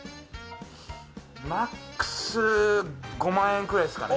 マックス、５万円くらいっすかね。